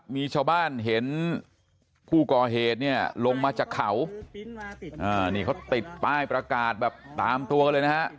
มีชาวบ้านเห็นผู้ก่อเหตุเนี่ยลงมาจากเขานี่เขาติดป้ายประกาศแบบตามตัวกันเลยนะฮะ